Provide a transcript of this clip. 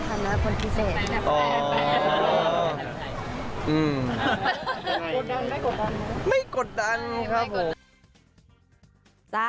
สำเร็จ